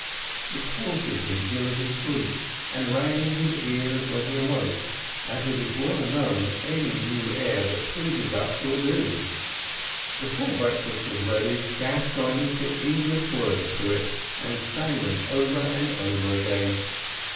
It haunted him during his sleep, and rang in his ears when he awoke, as it is well known any new air that pleases us will do. Before breakfast was ready, Gascoigne had put English words to it, and sang them over and over again.